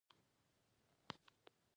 نجلۍ د پاکۍ نښه ده.